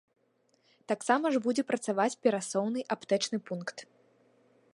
Тамсама ж будзе працаваць перасоўны аптэчны пункт.